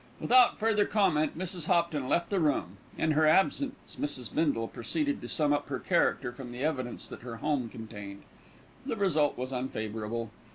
Without further comment, Mrs. Hopton left the room. In her absence, Mrs. Bindle proceeded to sum up her character from the evidence that her home contained. The result was unfavourable.